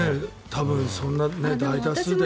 多分そんな大多数が。